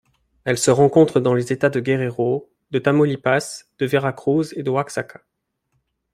Elle se rencontre dans les États de Guerrero, de Tamaulipas, de Veracruz et d'Oaxaca.